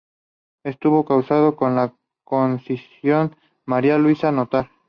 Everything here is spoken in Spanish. Estuvo casado con la cancionista María Luisa Notar.